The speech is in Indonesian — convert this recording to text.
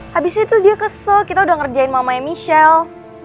habis itu dia kesel kita udah ngerjain mamanya michelle